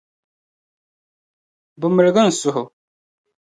Bɛ miligi n suhu.